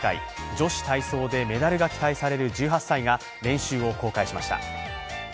女子体操でメダルが期待される１８歳が練習を公開しました。